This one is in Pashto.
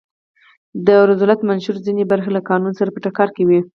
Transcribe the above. د روزولټ منشور ځینې برخې له قانون سره په ټکر کې وې.